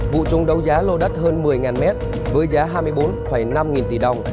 vụ trung đấu giá lô đất hơn một mươi mét với giá hai mươi bốn năm nghìn tỷ đồng